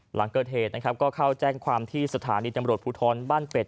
หลังเกิดเหตุนะครับก็เข้าแจ้งความที่สถานีตำรวจภูทรบ้านเป็ด